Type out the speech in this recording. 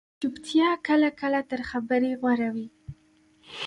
چُپتیا کله کله تر خبرې غوره وي